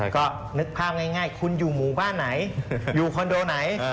ก็นึกภาพง่ายคุณอยู่หมู่บ้านไหนอยู่คอนโดไหน